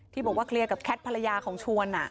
บอกว่าเคลียร์กับแคทภรรยาของชวน